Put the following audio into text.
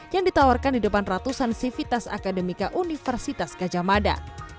yang ditawarkan di depan ratusan sivitas akademika universitas gajah mada